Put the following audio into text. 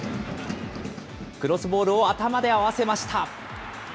クロスボールを頭で合わせました。